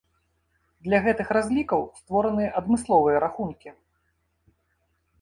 Для гэтых разлікаў створаныя адмысловыя рахункі.